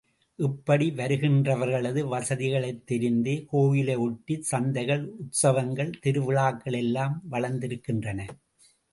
இப்படி வருகின்றவர்களது வசதிகளைத் தெரிந்தே கோயிலை ஒட்டிச் சந்தைகள் உத்ஸவங்கள், திருவிழாக்கள் எல்லாம் வளர்ந்திருக்கின்றன.